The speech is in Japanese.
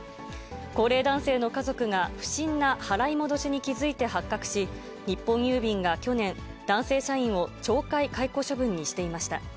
高齢男性の家族が不審な払い戻しに気付いて発覚し、日本郵便が去年、男性社員を懲戒解雇処分にしていました。